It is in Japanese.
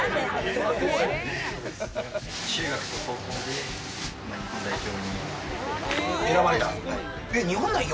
中学と高校で日本代表に選ばれた。